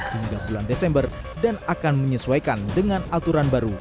hingga bulan desember dan akan menyesuaikan dengan aturan baru